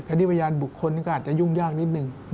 ที่พยานบุคคลก็อาจจะยุ่งยากนิดนึง